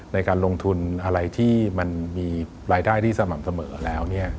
ในการลงทุนอะไรที่มันมีรายได้ที่สม่ำเสมอแล้ว